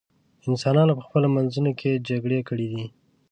انسانانو په خپلو منځونو کې جګړې کړې دي.